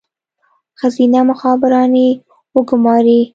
ښځینه مخبرانې وګوماري.